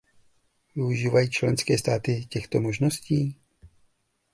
Využívají členské státy těchto možností?